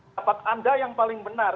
dapat anda yang paling benar